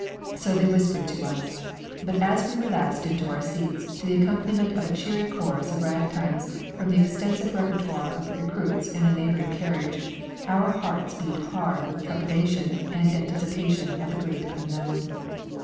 So they whispered to us; but as we relapsed into our seats, to the accompaniment of a cheery chorus of rag times from the extensive répertoire of the recruits in a neighbouring carriage, our hearts beat hard with trepidation and anticipation of the Great Unknown.